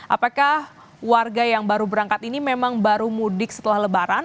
apakah warga yang baru berangkat ini memang baru mudik setelah lebaran